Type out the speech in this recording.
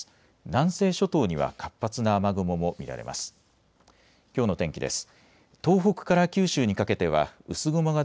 南西諸島には活発な雨雲も見られます。